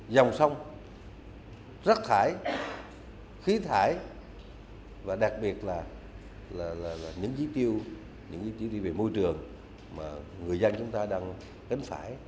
dòng sông rắc thải khí thải và đặc biệt là những dí tiêu về môi trường mà người dân chúng ta đang đánh phải